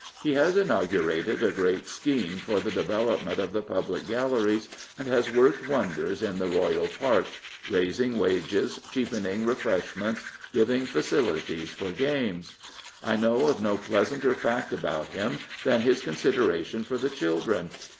He has inaugurated a great scheme for the development of the public galleries, and has worked wonders in the Royal parks, raising wages, cheapening refreshments, giving facilities for games. I know of no pleasanter fact about him than his con sideration for the children.